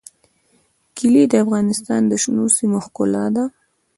کلي د افغانستان د شنو سیمو ښکلا ده.